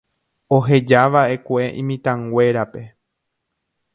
Ohejava'ekue imitãnguérape.